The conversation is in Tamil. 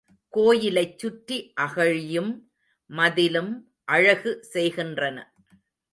கோயிலைச் சுற்றி அகழியும், மதிலும் அழகு செய்கின்றன.